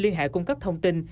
liên hệ cung cấp thông tin